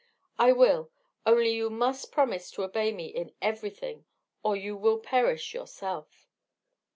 "I will; only you must promise to obey me in everything, or you will perish yourself."